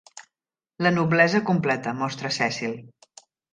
"La Noblesa Completa" mostra 'Cecil.